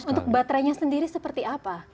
untuk baterainya sendiri seperti apa